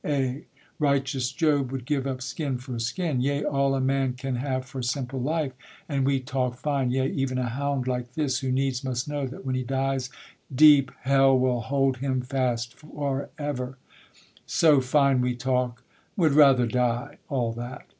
Eh! righteous Job would give up skin for skin, Yea, all a man can have for simple life, And we talk fine, yea, even a hound like this, Who needs must know that when he dies, deep hell Will hold him fast for ever, so fine we talk, 'Would rather die,' all that.